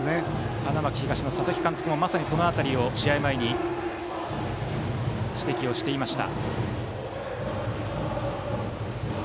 花巻東の佐々木監督もその辺りを試合前に指摘していました。